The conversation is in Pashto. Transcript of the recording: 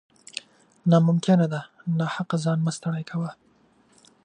نا ممکنه ده ، ناحقه ځان مه ستړی کوه